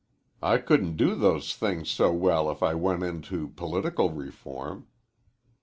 I couldn't do those things so well if I went into political reform."